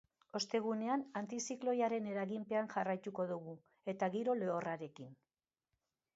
Ostegunean, antizikloiaren eraginpean jarraituko dugu, eta giro lehorrarekin.